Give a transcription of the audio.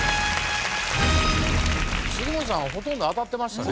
杉本さんほとんど当たってましたね。